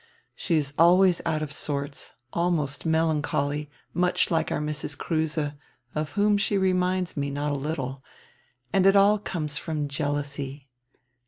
She is always out of sorts, almost melancholy, much like our Mrs. Kruse, of whom she reminds me not a littie, and it all conies from jealousy.